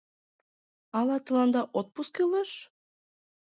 Ала тыланда отпуск кӱлеш?